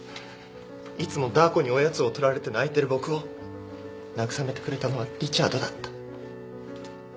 いつもダー子におやつを取られて泣いてる僕を慰めてくれたのはリチャードだった。